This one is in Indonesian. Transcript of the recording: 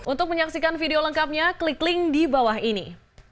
untuk menyaksikan video lengkapnya klik link di bawah ini